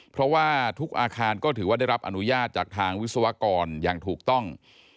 เพราะว่าทุกอาคารก็ถือว่าได้รับอนุญาตจากทางวิศวกรอย่างถูกต้อง